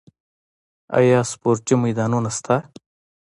آیا سپورتي میدانونه شته؟